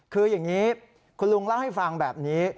คืออย่างนี้คุณลุงเล่าให้ฟังแบบนี้